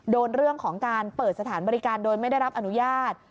โดนเรื่องของการเปิดสถานบริการโดยไม่ได้รับอนุญาต